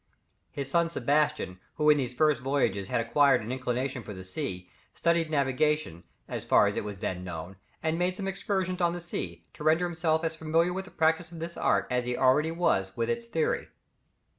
His son Sebastian, who in these first voyages had acquired an inclination for the sea, studied navigation, as far as it was then known, and made some excursions on the sea, to render himself as familiar with the practice of this art, as he already was with its theory.